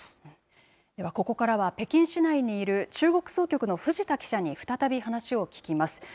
ここからは北京市内にいる中国総局の藤田記者に再び話を聞きます。